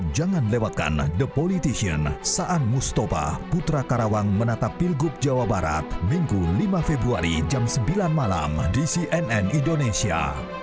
jangan lewatkan the politician saat mustoba putra karawang menata pilgub jawa barat minggu lima februari jam sembilan malam di cnn indonesia